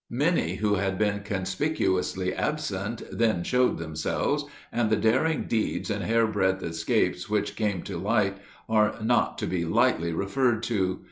Many who had been conspicuously absent then showed themselves, and the daring deeds and hairbreadth escapes which came to light are not to be lightly referred to.